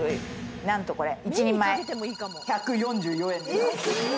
何とこれ１人前１４４円です。